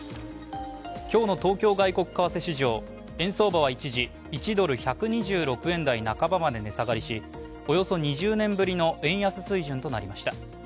今日の東京外国為替市場円相場は一時１ドル＝１２６円台半ばまで値下がりしおよそ２０年ぶりの円安水準となりました。